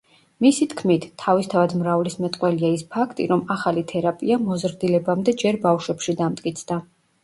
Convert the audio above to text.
მისი თქმით, თავისთავად მრავლისმეტყველია ის ფაქტი, რომ ახალი თერაპია მოზრდილებამდე ჯერ ბავშვებში დამტკიცდა.